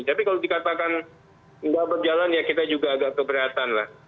tapi kalau dikatakan nggak berjalan ya kita juga agak keberatan lah